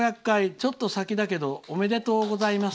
ちょっと先だけどおめでとうございます」。